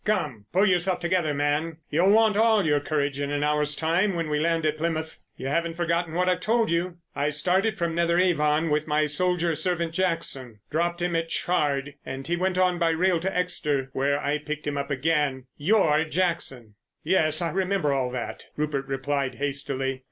"Come, pull yourself together, man. You'll want all your courage in an hour's time when we land at Plymouth. You haven't forgotten what I've told you? ... I started from Netheravon with my soldier servant, Jackson. Dropped him at Chard, and he went on by rail to Exeter, where I picked him up again—you're Jackson!" "Yes, I remember all that," Rupert replied hastily.